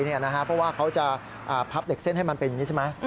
เพราะว่าเขาจะพับเหล็กเส้นให้มันเป็นอย่างนี้ใช่ไหม